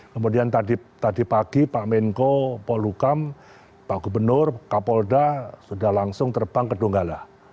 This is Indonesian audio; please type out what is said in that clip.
kemudian tadi pagi pak menko polukam pak gubernur kapolda sudah langsung terbang ke donggala